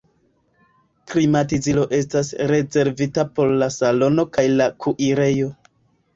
Klimatizilo estas rezervita por la salono kaj la kuirejo.